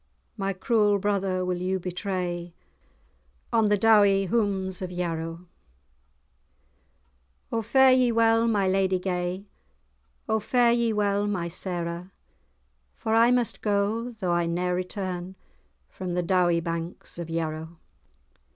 My cruel brother will you betray, On the dowie houms[#] of Yarrow." [#] Hillocks. "O fare ye well, my lady gay! O fare ye well, my Sarah! For I must go, though I ne'er return From the dowie banks of Yarrow."